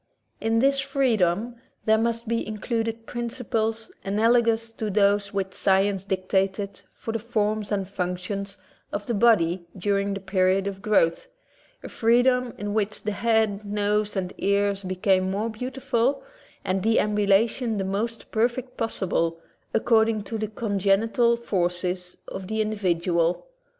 In this freedom there must be included principles analogous to those which science dictated for the forms and functions of the body during the period of growth, a freedom in which the head, nose, and ears became more beautiful and deambulation the most perfect possible, according to the congenital forces of the individual.